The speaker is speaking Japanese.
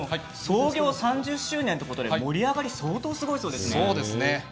創業３０周年ということで盛り上がりが相当だそうですね。